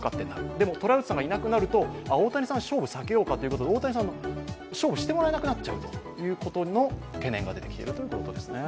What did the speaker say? でもトラウトさんがいなくなると、大谷さん、勝負避けようかと大谷さん、勝負してもらえなくなっちゃうということの懸念が出てきているということですね。